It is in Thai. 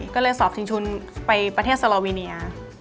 ก็เลยสอบชิงชุนไปประเทศสลอวิเนีย